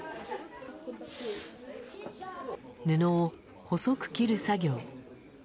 布を細く切る作業。